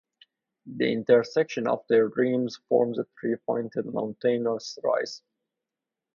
The intersection of their rims forms a three-pointed mountainous rise.